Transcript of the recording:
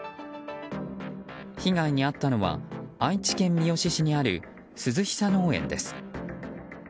被害に遭ったのは愛知県みよし市にある鈴ひさ農園です。